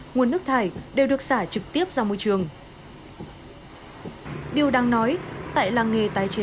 nguồn nước thải đều được xả trực tiếp ra môi trường điều đáng nói tại làng nghề tái chế